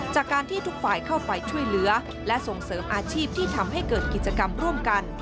จากการที่ทุกฝ่ายเข้าไปช่วยเหลือและส่งเสริมอาชีพที่ทำให้เกิดกิจกรรมร่วมกัน